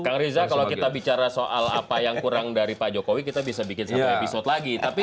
kang riza kalau kita bicara soal apa yang kurang dari pak jokowi kita bisa bikin satu episode lagi